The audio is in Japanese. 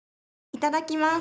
いただきます。